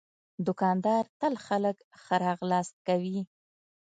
دوکاندار تل خلک ښه راغلاست کوي.